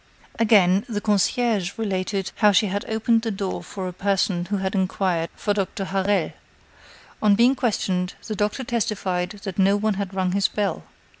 Again, the concierge related how she had opened the door for a person who had inquired for Doctor Harel. On being questioned, the doctor testified that no one had rung his bell.